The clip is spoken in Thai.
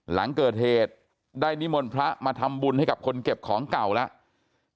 หลังเกิดเหตุได้นิมนต์พระมาทำบุญให้กับคนเก็บของเก่าแล้ว